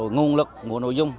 ngôn lực mùa nội dung